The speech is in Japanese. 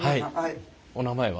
お名前は？